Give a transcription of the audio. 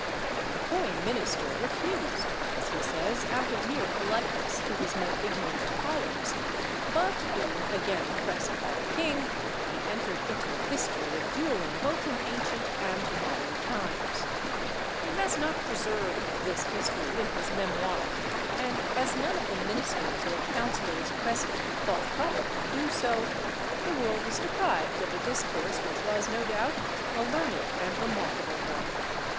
The coy minister refused, as he says, out of mere politeness to his more ignorant colleagues; but, being again pressed by the king, he entered into a history of duelling both in ancient and modern times. He has not preserved this history in his Memoirs; and, as none of the ministers or councillors present thought proper to do so, the world is deprived of a discourse which was, no doubt, a learned and remarkable one.